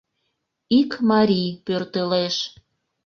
Ик марий пӧртылеш.